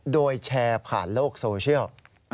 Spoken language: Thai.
โดยแชร์ผ่านโลกโซเชียล